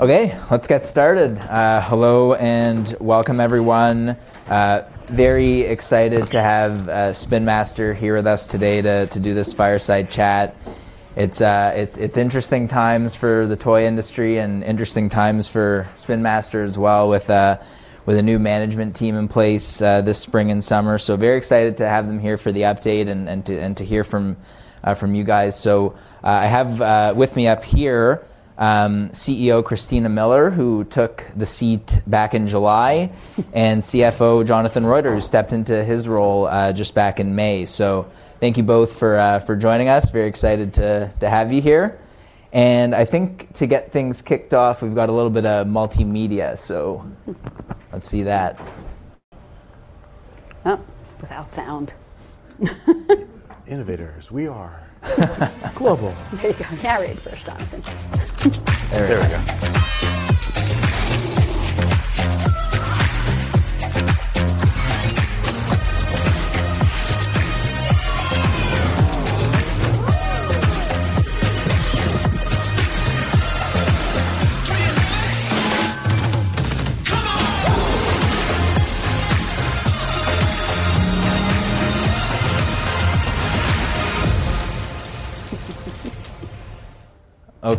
Okay, let's get started. Hello and welcome everyone. Very excited to have Spin Master here with us today to do this fireside chat. It's interesting times for the toy industry and interesting times for Spin Master as well with a new management team in place this spring and summer. Very excited to have them here for the update and to hear from you guys. I have with me up here, CEO Christina Miller, who took the seat back in July, and CFO Jonathan Reuter, who stepped into his role just back in May. Thank you both for joining us. Very excited to have you here. I think to get things kicked off, we've got a little bit of multimedia, so let's see that. Without sound. Innovators, we are global. There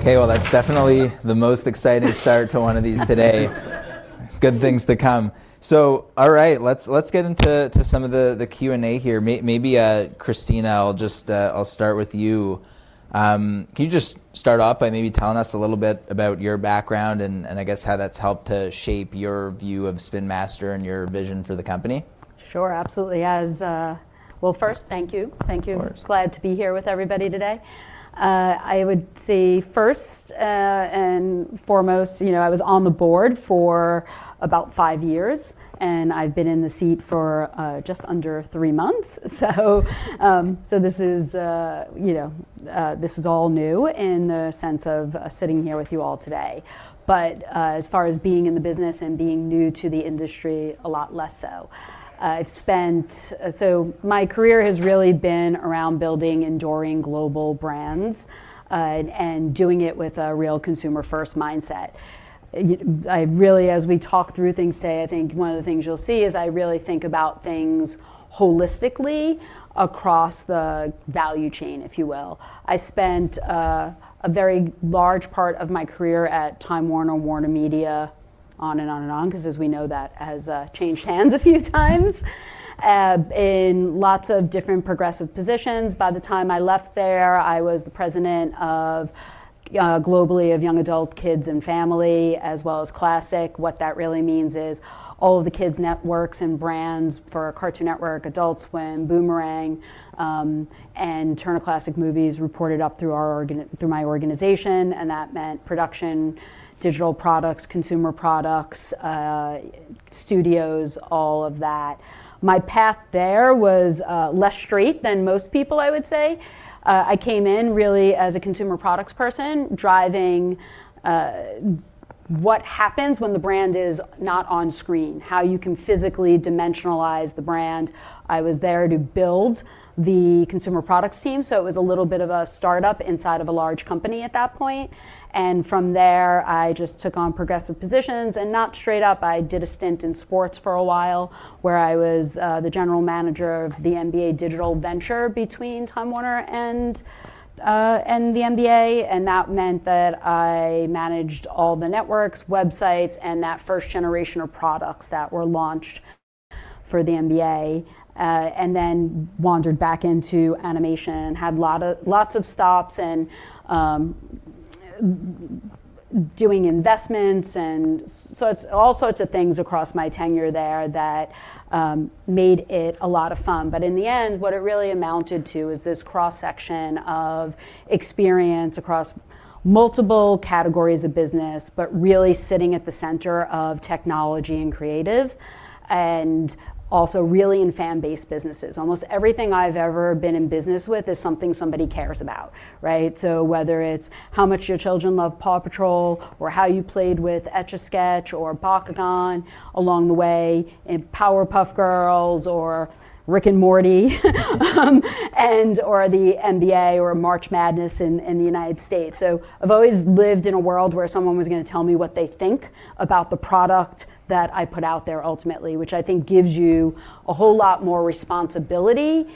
you go. I'm ready for Jonathan. Okay, that's definitely the most exciting start to one of these today. Good things to come. All right, let's get into some of the Q&A here. Maybe, Christina, I'll start with you. Can you just start off by maybe telling us a little bit about your background and I guess how that's helped to shape your view of Spin Master and your vision for the company? Sure, absolutely. Thank you. Thank you. I'm glad to be here with everybody today. I would say first and foremost, you know, I was on the board for about five years, and I've been in the seat for just under three months. This is all new in the sense of sitting here with you all today. As far as being in the business and being new to the industry, a lot less so. I've spent, so my career has really been around building enduring global brands, and doing it with a real consumer-first mindset. You know, I really, as we talk through things today, I think one of the things you'll see is I really think about things holistically across the value chain, if you will. I spent a very large part of my career at Time Warner, Warner Media, on and on and on, because as we know, that has changed hands a few times, in lots of different progressive positions. By the time I left there, I was the President, globally of Young Adult, Kids, and Family, as well as Classic. What that really means is all of the kids' networks and brands for Cartoon Network, Adult Swim, Boomerang, and Turner Classic Movies reported up through our organization, through my organization. That meant production, digital products, consumer products, studios, all of that. My path there was less straight than most people, I would say. I came in really as a consumer products person, driving what happens when the brand is not on screen, how you can physically dimensionalize the brand. I was there to build the consumer products team. It was a little bit of a startup inside of a large company at that point. From there, I just took on progressive positions and not straight up. I did a stint in sports for a while where I was the General Manager of the NBA digital venture between Time Warner and the NBA. That meant that I managed all the networks, websites, and that first generation of products that were launched for the NBA, and then wandered back into animation and had lots of stops and doing investments and so it's all sorts of things across my tenure there that made it a lot of fun. In the end, what it really amounted to is this cross-section of experience across multiple categories of business, but really sitting at the center of technology and creative and also really in fan-based businesses. Almost everything I've ever been in business with is something somebody cares about, right? Whether it's how much your children love PAW Patrol or how you played with Etch A Sketch or Bakugan along the way in Powerpuff Girls or Rick and Morty and the NBA or March Madness in the U.S., I've always lived in a world where someone was going to tell me what they think about the product that I put out there ultimately, which I think gives you a whole lot more responsibility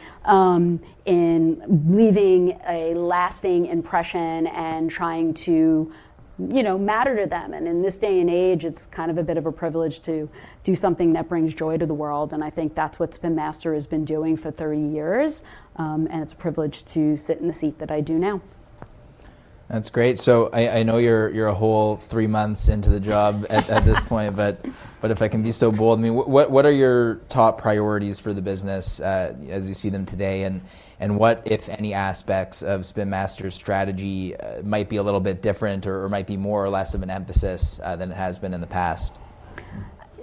in leaving a lasting impression and trying to, you know, matter to them. In this day and age, it's kind of a bit of a privilege to do something that brings joy to the world. I think that's what Spin Master has been doing for 30 years, and it's a privilege to sit in the seat that I do now. That's great. I know you're a whole three months into the job at this point. If I can be so bold, what are your top priorities for the business as you see them today? What, if any, aspects of Spin Master's strategy might be a little bit different or might be more or less of an emphasis than it has been in the past?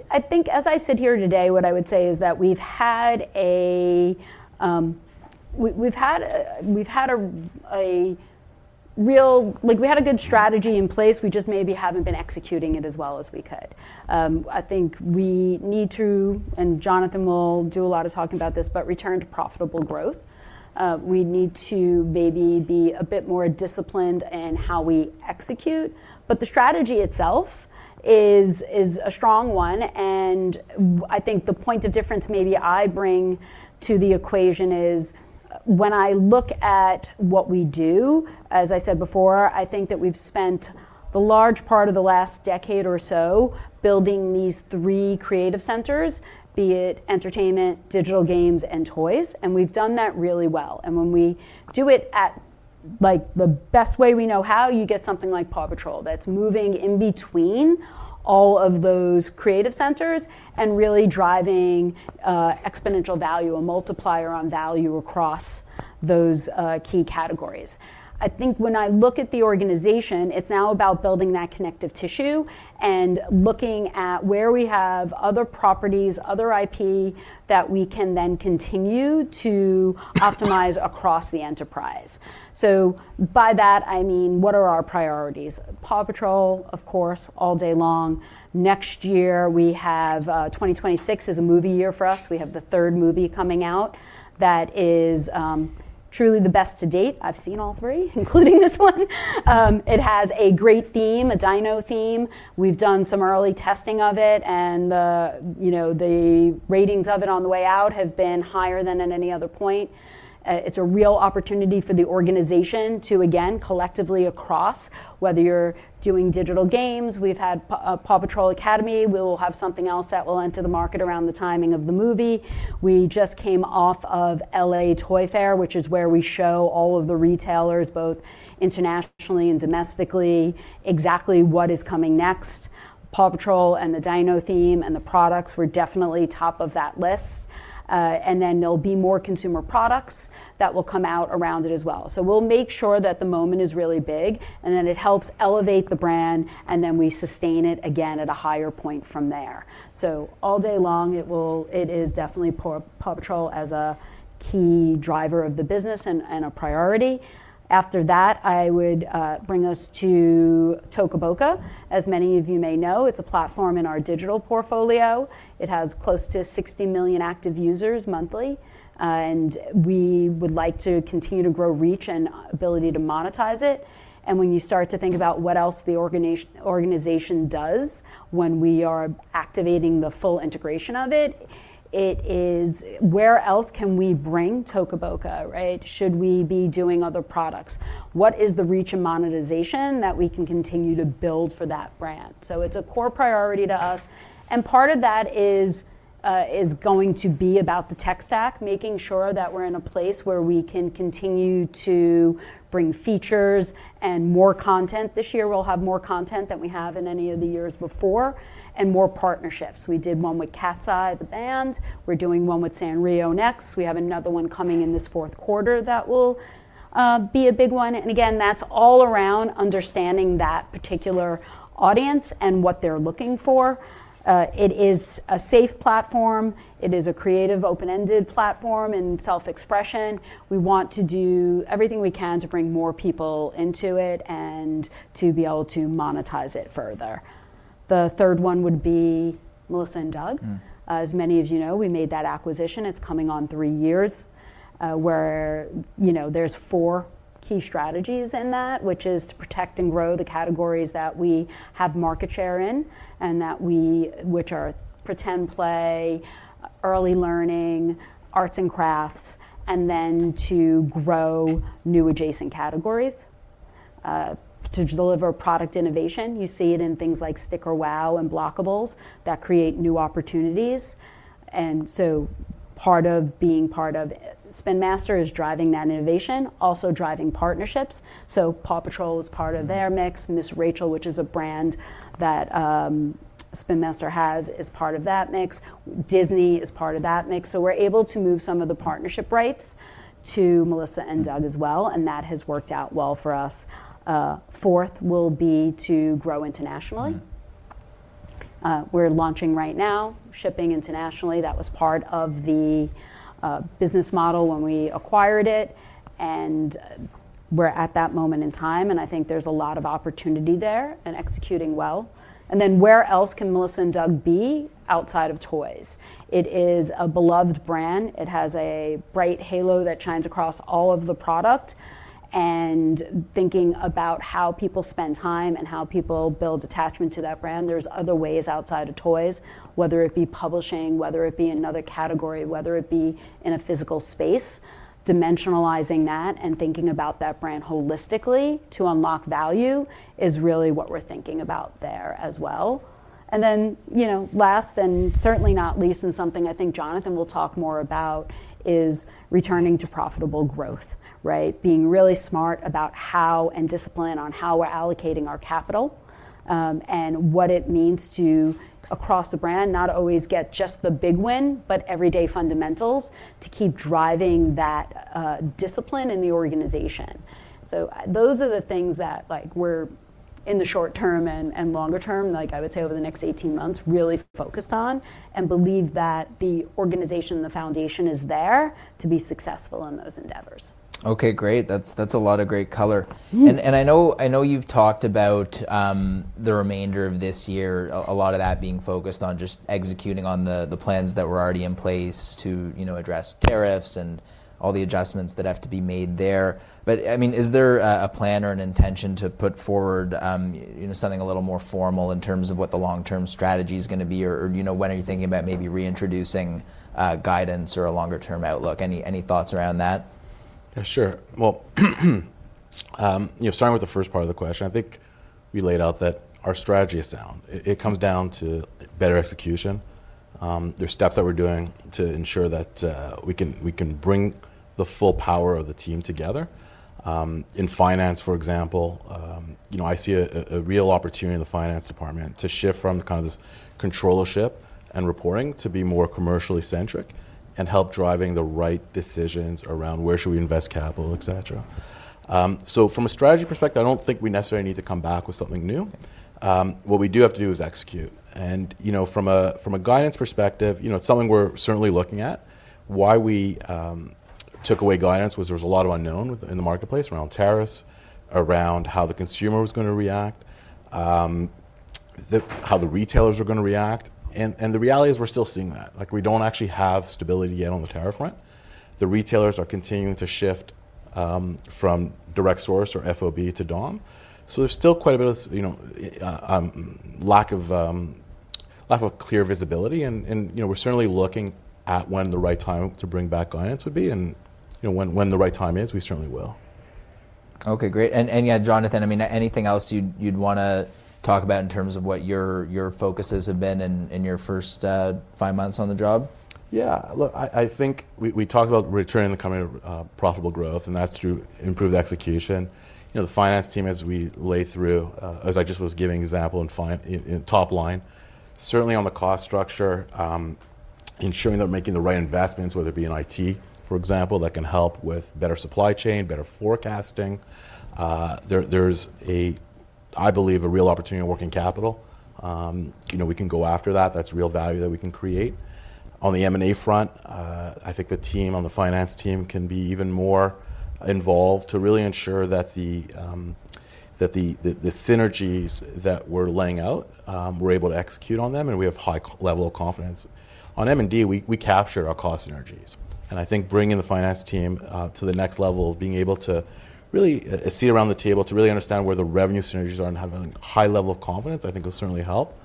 I think as I sit here today, what I would say is that we've had a real, like, we had a good strategy in place. We just maybe haven't been executing it as well as we could. I think we need to, and Jonathan will do a lot of talking about this, but return to profitable growth. We need to maybe be a bit more disciplined in how we execute. The strategy itself is a strong one. I think the point of difference maybe I bring to the equation is when I look at what we do, as I said before, I think that we've spent the large part of the last decade or so building these three creative centers, be it entertainment, digital games, and toys. We've done that really well. When we do it at the best way we know how, you get something like PAW Patrol that's moving in between all of those creative centers and really driving exponential value, a multiplier on value across those key categories. I think when I look at the organization, it's now about building that connective tissue and looking at where we have other properties, other IP that we can then continue to optimize across the enterprise. By that, I mean, what are our priorities? PAW Patrol, of course, all day long. Next year, we have 2026 is a movie year for us. We have the third movie coming out that is truly the best to date. I've seen all three, including this one. It has a great theme, a dino theme. We've done some early testing of it, and the ratings of it on the way out have been higher than at any other point. It's a real opportunity for the organization to, again, collectively across, whether you're doing digital games, we've had PAW Patrol Academy. We'll have something else that will enter the market around the timing of the movie. We just came off of LA Toy Fair, which is where we show all of the retailers, both internationally and domestically, exactly what is coming next. PAW Patrol and the dino theme and the products were definitely top of that list. There will be more consumer products that will come out around it as well. We'll make sure that the moment is really big, and it helps elevate the brand, and then we sustain it again at a higher point from there. All day long, it is definitely PAW Patrol as a key driver of the business and a priority. After that, I would bring us to Toca Boca. As many of you may know, it's a platform in our digital portfolio. It has close to 60 million active users monthly. and we would like to continue to grow reach and ability to monetize it. When you start to think about what else the organization does when we are activating the full integration of it, it is where else can we bring Toca Boca, right? Should we be doing other products? What is the reach and monetization that we can continue to build for that brand? It's a core priority to us. Part of that is going to be about the tech stack, making sure that we're in a place where we can continue to bring features and more content. This year, we'll have more content than we have in any of the years before and more partnerships. We did one with Cat's Eye, the band. We're doing one with Sanrio next. We have another one coming in this fourth quarter that will be a big one. That's all around understanding that particular audience and what they're looking for. It is a safe platform. It is a creative, open-ended platform and self-expression. We want to do everything we can to bring more people into it and to be able to monetize it further. The third one would be Melissa & Doug. As many of you know, we made that acquisition. It's coming on three years, where, you know, there's four key strategies in that, which is to protect and grow the categories that we have market share in and that we, which are pretend play, early learning, arts and crafts, and then to grow new adjacent categories. To deliver product innovation, you see it in things like Sticker Wow and Blockables that create new opportunities. Part of being part of Spin Master Corp. is driving that innovation, also driving partnerships. PAW Patrol is part of their mix. Miss Rachel, which is a brand that Spin Master Corp. has, is part of that mix. Disney is part of that mix. We're able to move some of the partnership rights to Melissa & Doug as well. That has worked out well for us. Fourth will be to grow internationally. We're launching right now, shipping internationally. That was part of the business model when we acquired it. We're at that moment in time. I think there's a lot of opportunity there and executing well. Where else can Melissa & Doug be outside of toys? It is a beloved brand. It has a bright halo that shines across all of the product. Thinking about how people spend time and how people build attachment to that brand, there are other ways outside of toys, whether it be publishing, whether it be in another category, whether it be in a physical space. Dimensionalizing that and thinking about that brand holistically to unlock value is really what we're thinking about there as well. Last and certainly not least, and something I think Jonathan will talk more about, is returning to profitable growth, right? Being really smart about how and disciplined on how we're allocating our capital, and what it means to, across the brand, not always get just the big win, but everyday fundamentals to keep driving that, discipline in the organization. Those are the things that, like, we're in the short term and longer term, like I would say over the next 18 months, really focused on and believe that the organization and the foundation is there to be successful in those endeavors. Okay, great. That's a lot of great color. I know you've talked about the remainder of this year, a lot of that being focused on just executing on the plans that were already in place to address tariffs and all the adjustments that have to be made there. I mean, is there a plan or an intention to put forward something a little more formal in terms of what the long-term strategy is going to be? When are you thinking about maybe reintroducing guidance or a longer-term outlook? Any thoughts around that? Yeah, sure. You know, starting with the first part of the question, I think we laid out that our strategy is sound. It comes down to better execution. There are steps that we're doing to ensure that we can bring the full power of the team together. In Finance, for example, I see a real opportunity in the Finance department to shift from this controllership and reporting to be more commercially centric and help driving the right decisions around where should we invest capital, et cetera. From a strategy perspective, I don't think we necessarily need to come back with something new. What we do have to do is execute. You know, from a guidance perspective, it's something we're certainly looking at. Why we took away guidance was there was a lot of unknown in the marketplace around tariffs, around how the consumer was going to react, how the retailers are going to react. The reality is we're still seeing that. We don't actually have stability yet on the tariff front. The retailers are continuing to shift from direct source or FOB to DOM. There's still quite a bit of lack of clear visibility. You know, we're certainly looking at when the right time to bring back guidance would be. When the right time is, we certainly will. Okay, great. Jonathan, I mean, anything else you'd want to talk about in terms of what your focuses have been in your first five months on the job? Yeah, look, I think we talked about returning the company to profitable growth, and that's through improved execution. The finance team, as we lay through, as I just was giving an example in front, top line, certainly on the cost structure, ensuring that we're making the right investments, whether it be in IT, for example, that can help with better supply chain, better forecasting. I believe there's a real opportunity to work in capital. We can go after that. That's real value that we can create. On the M&A front, I think the team on the finance team can be even more involved to really ensure that the synergies that we're laying out, we're able to execute on them, and we have a high level of confidence. On Melissa & Doug, we capture our cost synergies. I think bringing the finance team to the next level of being able to really see around the table to really understand where the revenue synergies are and have a high level of confidence, I think it'll certainly help.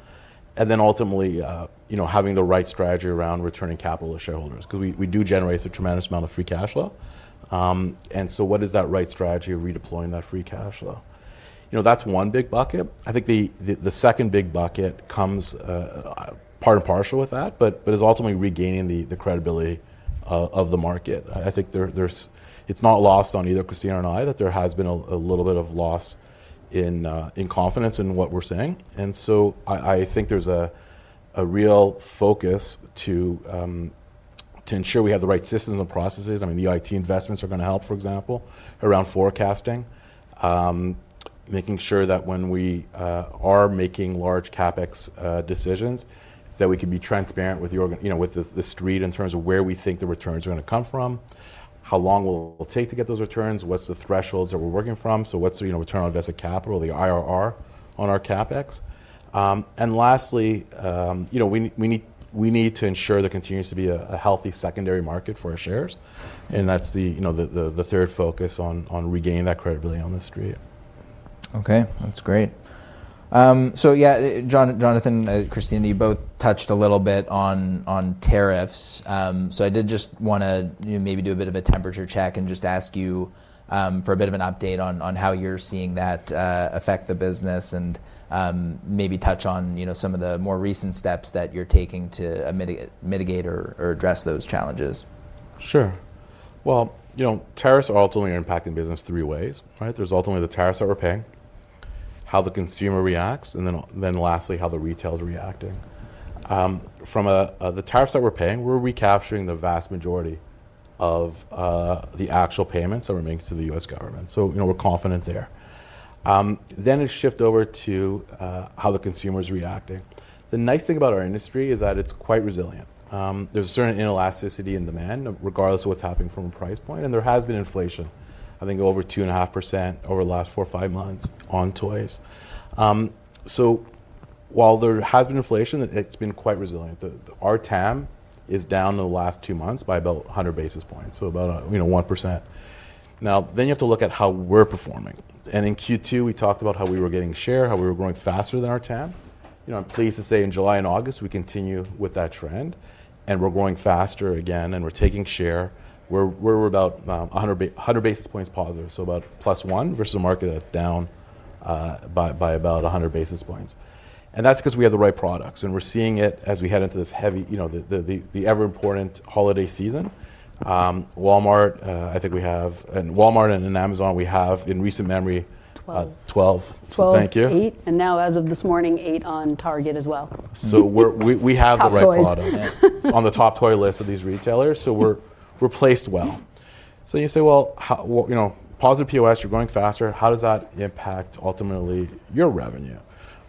Ultimately, having the right strategy around returning capital to shareholders, because we do generate a tremendous amount of free cash flow, and so what is that right strategy of redeploying that free cash flow? That's one big bucket. I think the second big bucket comes, part and parcel with that, but is ultimately regaining the credibility of the market. It's not lost on either Christina or I that there has been a little bit of loss in confidence in what we're saying. I think there's a real focus to ensure we have the right systems and processes. The IT investments are going to help, for example, around forecasting, making sure that when we are making large CapEx decisions, we can be transparent with the street in terms of where we think the returns are going to come from, how long it will take to get those returns, what's the thresholds that we're working from. What's the return on invested capital, the IRR on our CapEx? Lastly, we need to ensure there continues to be a healthy secondary market for our shares. That's the third focus on regaining that credibility on the street. Okay, that's great. Jonathan, Christina, you both touched a little bit on tariffs. I did just want to maybe do a bit of a temperature check and just ask you for a bit of an update on how you're seeing that affect the business and maybe touch on some of the more recent steps that you're taking to mitigate or address those challenges. Sure. You know, tariffs are ultimately impacting the business three ways, right? There's ultimately the tariffs that we're paying, how the consumer reacts, and then lastly, how the retail is reacting. From the tariffs that we're paying, we're recapturing the vast majority of the actual payments that we're making to the U.S. government. You know, we're confident there. Then it shifts over to how the consumer is reacting. The nice thing about our industry is that it's quite resilient. There's a certain inelasticity in demand, regardless of what's happening from a price point. There has been inflation, I think, over 2.5% over the last four or five months on toys. While there has been inflation, it's been quite resilient. Our TAM is down in the last two months by about 100 basis points, so about 1%. Now, you have to look at how we're performing. In Q2, we talked about how we were getting share, how we were growing faster than our TAM. I'm pleased to say in July and August, we continue with that trend, and we're growing faster again, and we're taking share. We're about 100 basis points positive, so about plus one versus a market that's down by about 100 basis points. That's because we have the right products. We're seeing it as we head into this heavy, the ever-important holiday season. Walmart, I think we have, and Walmart and Amazon, we have in recent memory, 12. So thank you. Eight. As of this morning, eight on Target as well. We have the right products on the top 20 list of these retailers, so we're placed well. You say, positive POS, you're growing faster. How does that impact ultimately your revenue?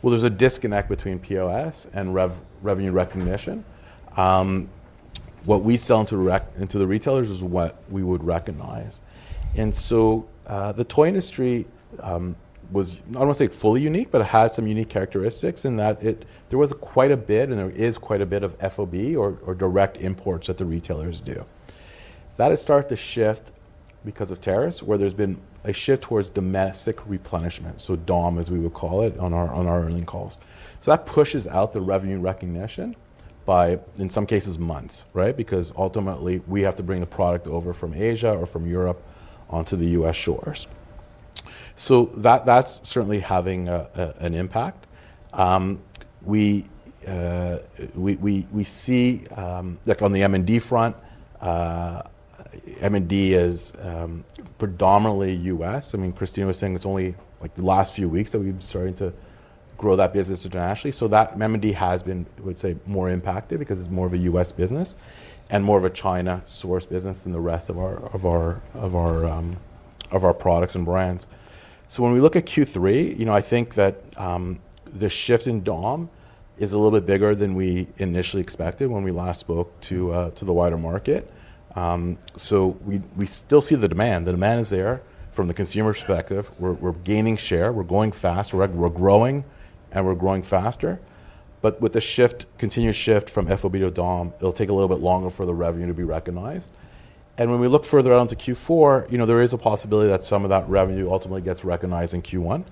There is a disconnect between POS and revenue recognition. What we sell into the retailers is what we would recognize. The toy industry was, I don't want to say fully unique, but it had some unique characteristics in that there was quite a bit, and there is quite a bit, of FOB or direct imports that the retailers do. That has started to shift because of tariffs, where there's been a shift towards domestic replenishment, so DOM, as we would call it on our earnings calls. That pushes out the revenue recognition by, in some cases, months, right? Ultimately, we have to bring the product over from Asia or from Europe onto the U.S. shores. That's certainly having an impact. We see, on the Melissa & Doug front, Melissa & Doug is predominantly U.S. Christina was saying it's only the last few weeks that we've been starting to grow that business internationally. Melissa & Doug has been, I would say, more impacted because it's more of a U.S. business and more of a China source business than the rest of our products and brands. When we look at Q3, I think that the shift in DOM is a little bit bigger than we initially expected when we last spoke to the wider market. We still see the demand. The demand is there from the consumer perspective. We're gaining share. We're going faster. We're growing, and we're growing faster. With the continued shift from FOB to DOM, it'll take a little bit longer for the revenue to be recognized. When we look further out into Q4, there is a possibility that some of that revenue ultimately gets recognized in Q1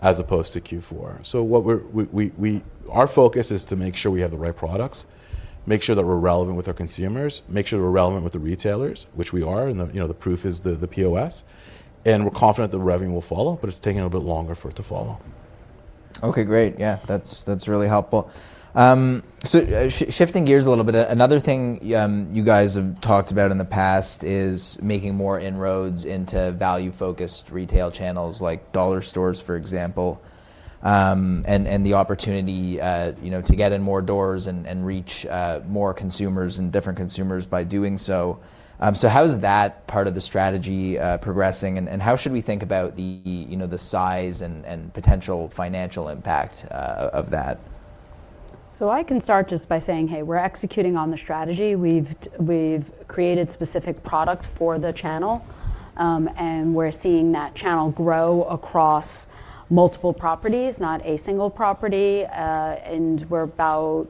as opposed to Q4. Our focus is to make sure we have the right products, make sure that we're relevant with our consumers, make sure we're relevant with the retailers, which we are, and the proof is the POS. We're confident that the revenue will follow, but it's taking a little bit longer for it to follow. Okay, great. Yeah, that's really helpful. Shifting gears a little bit, another thing you guys have talked about in the past is making more inroads into value-focused retail channels like dollar stores, for example, and the opportunity to get in more doors and reach more consumers and different consumers by doing so. How is that part of the strategy progressing? How should we think about the size and potential financial impact of that? I can start just by saying, hey, we're executing on the strategy. We've created specific products for the channel, and we're seeing that channel grow across multiple properties, not a single property. We're about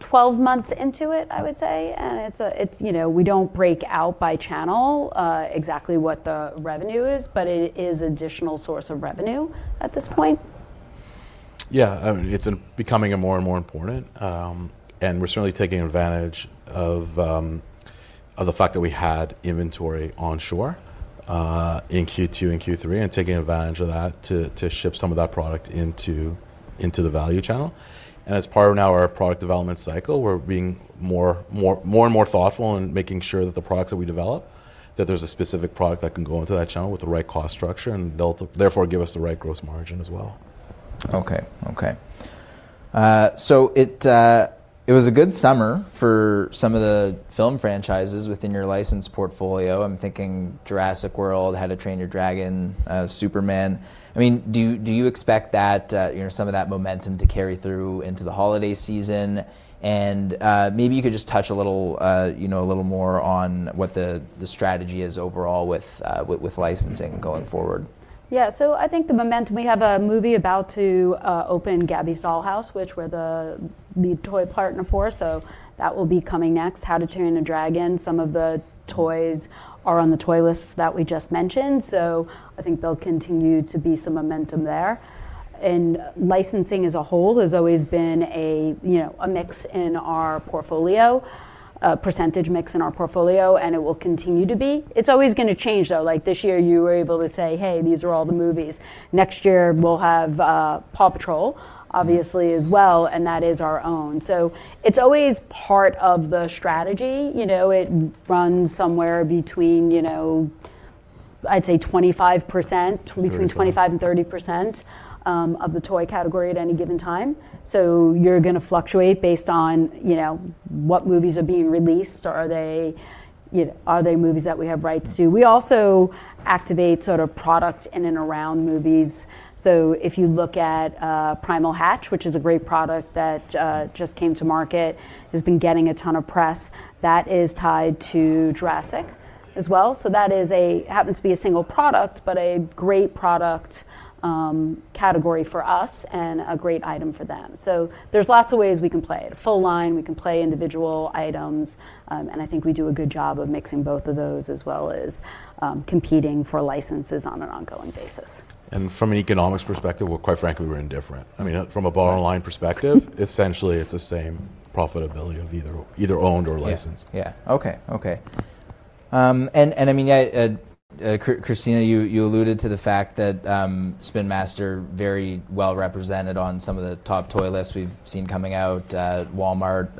12 months into it, I would say. We don't break out by channel exactly what the revenue is, but it is an additional source of revenue at this point. Yeah, it's becoming more and more important. We're certainly taking advantage of the fact that we had inventory onshore in Q2 and Q3, taking advantage of that to ship some of that product into the value channel. As part of our product development cycle, we're being more and more thoughtful in making sure that the products that we develop, that there's a specific product that can go into that channel with the right cost structure and therefore give us the right gross margin as well. It was a good summer for some of the film franchises within your licensing portfolio. I'm thinking Jurassic World, How to Train Your Dragon, Superman. Do you expect that some of that momentum to carry through into the holiday season? Maybe you could just touch a little more on what the strategy is overall with licensing going forward. Yeah, I think the momentum, we have a movie about to open, Gabby’s Dollhouse, which we're the toy partner for. That will be coming next. How to Train Your Dragon, some of the toys are on the toy lists that we just mentioned. I think there'll continue to be some momentum there. Licensing as a whole has always been a mix in our portfolio, a percentage mix in our portfolio, and it will continue to be. It's always going to change, though. Like this year, you were able to say, hey, these are all the movies. Next year, we'll have PAW Patrol, obviously, as well, and that is our own. It's always part of the strategy. It runs somewhere between, I'd say, 25%, between 25% and 30% of the toy category at any given time. You're going to fluctuate based on what movies are being released or are they movies that we have rights to. We also activate sort of product in and around movies. If you look at Primal Hatch, which is a great product that just came to market, has been getting a ton of press. That is tied to Jurassic as well. That happens to be a single product, but a great product category for us and a great item for them. There are lots of ways we can play it. A full line, we can play individual items. I think we do a good job of mixing both of those as well as competing for licenses on an ongoing basis. From an economics perspective, quite frankly, we're indifferent. I mean, from a bottom line perspective, essentially, it's the same profitability of either owned or licensed. Okay. Christina, you alluded to the fact that Spin Master is very well represented on some of the top toy lists we've seen coming out. Walmart,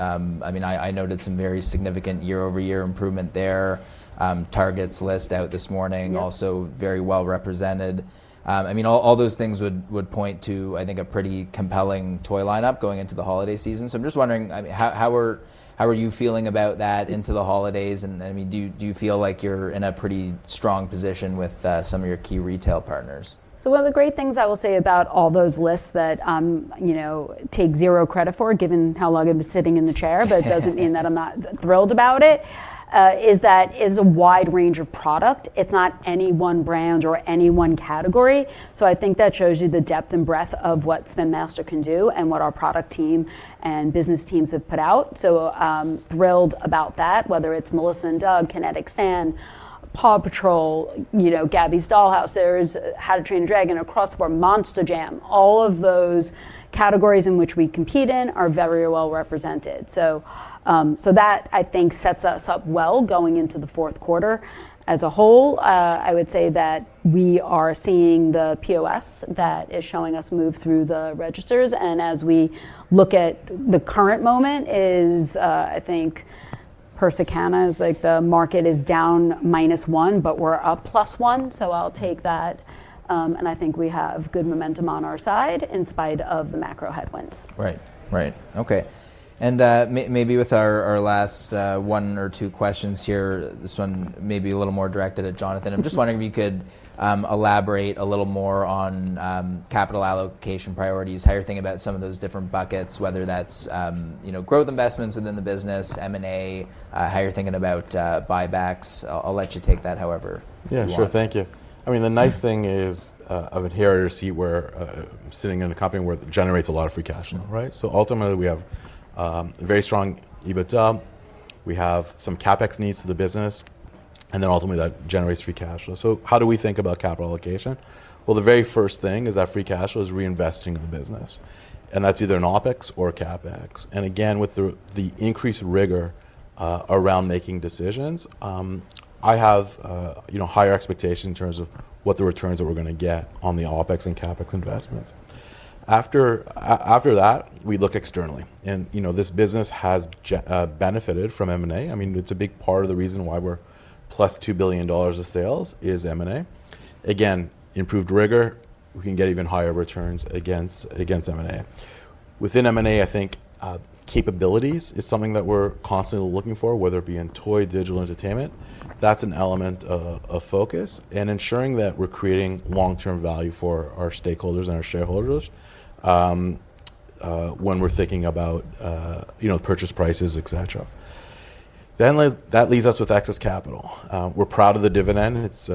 I noted some very significant year-over-year improvement there. Target's list out this morning, also very well represented. All those things would point to, I think, a pretty compelling toy lineup going into the holiday season. I'm just wondering, how are you feeling about that into the holidays? Do you feel like you're in a pretty strong position with some of your key retail partners? One of the great things I will say about all those lists that I take zero credit for, given how long I've been sitting in the chair, but it doesn't mean that I'm not thrilled about it, is that it is a wide range of product. It's not any one brand or any one category. I think that shows you the depth and breadth of what Spin Master can do and what our product team and business teams have put out. I'm thrilled about that, whether it's Melissa & Doug, Kinetic Sand, PAW Patrol, Gabby’s Dollhouse, there's How to Train Your Dragon, Across the World, Monster Jam. All of those categories in which we compete in are very well represented. That, I think, sets us up well going into the fourth quarter. As a whole, I would say that we are seeing the POS that is showing us move through the registers. As we look at the current moment, I think, per se, like the market is down minus 1%, but we're up plus 1%. I'll take that. I think we have good momentum on our side in spite of the macro headwinds. Right. Okay. Maybe with our last one or two questions here, this one may be a little more directed at Jonathan. I'm just wondering if you could elaborate a little more on capital allocation priorities, how you're thinking about some of those different buckets, whether that's, you know, growth investments within the business, M&A, how you're thinking about buybacks. I'll let you take that however. Yeah, sure. Thank you. I mean, the nice thing is I'm here at a seat where I'm sitting in a company where it generates a lot of free cash flow, right? Ultimately, we have a very strong EBITDA. We have some CapEx needs to the business, and ultimately, that generates free cash flow. How do we think about capital allocation? The very first thing is that free cash flow is reinvesting in the business, and that's either in OpEx or CapEx. Again, with the increased rigor around making decisions, I have higher expectations in terms of what the returns that we're going to get on the OpEx and CapEx investments. After that, we look externally. This business has benefited from M&A. I mean, it's a big part of the reason why we're plus $2 billion of sales is M&A. Again, improved rigor, we can get even higher returns against M&A. Within M&A, I think capabilities is something that we're constantly looking for, whether it be in toy digital entertainment. That's an element of focus and ensuring that we're creating long-term value for our stakeholders and our shareholders when we're thinking about, you know, purchase prices, et cetera. That leaves us with excess capital. We're proud of the dividend. It's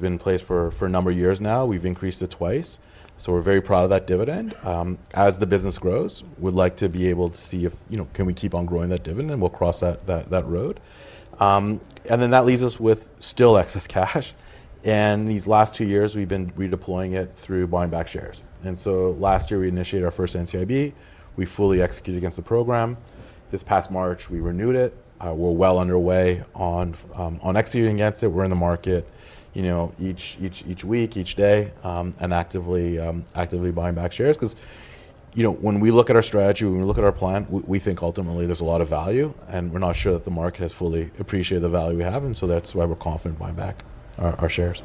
been in place for a number of years now. We've increased it twice. We're very proud of that dividend. As the business grows, we'd like to be able to see if, you know, can we keep on growing that dividend? We'll cross that road. That leaves us with still excess cash. These last two years, we've been redeploying it through buying back shares. Last year, we initiated our first NCIB. We fully executed against the program. This past March, we renewed it. We're well underway on executing against it. We're in the market, you know, each week, each day, and actively buying back shares. When we look at our strategy, when we look at our plan, we think ultimately there's a lot of value. We're not sure that the market has fully appreciated the value we have. That's why we're confident in buying back our shares.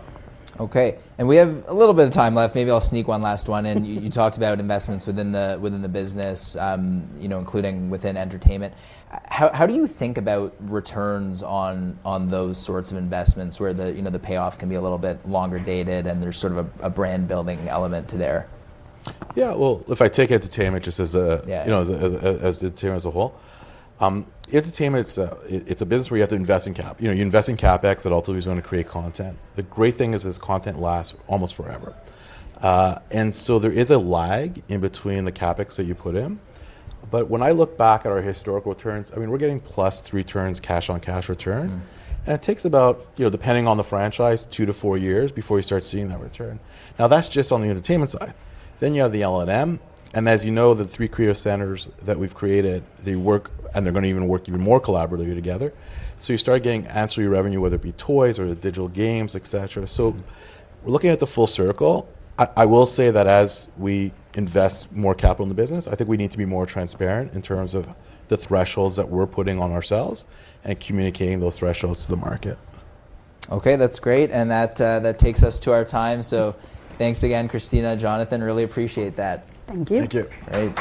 Okay. We have a little bit of time left. Maybe I'll sneak one last one. You talked about investments within the business, including within entertainment. How do you think about returns on those sorts of investments where the payoff can be a little bit longer dated and there's sort of a brand-building element to there? Yeah, if I take entertainment just as a, you know, as entertainment as a whole, entertainment, it's a business where you have to invest in CapEx that ultimately is going to create content. The great thing is this content lasts almost forever, and there is a lag in between the CapEx that you put in. When I look back at our historical returns, I mean, we're getting plus three turns cash on cash return, and it takes about, you know, depending on the franchise, two to four years before you start seeing that return. That's just on the entertainment side. Then you have the L&M. As you know, the three creative centers that we've created, they work, and they're going to work even more collaboratively together. You start getting ancillary revenue, whether it be toys or the digital games, etc. Looking at the full circle, I will say that as we invest more capital in the business, I think we need to be more transparent in terms of the thresholds that we're putting on ourselves and communicating those thresholds to the market. Okay, that's great. That takes us to our time. Thanks again, Christina, Jonathan. Really appreciate that. Thank you. Thank you. All right.